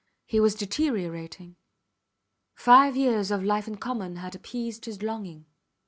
He was deteriorating. Five years of life in common had appeased his longing.